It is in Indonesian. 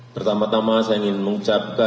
pertama tama saya ingin mengucapkan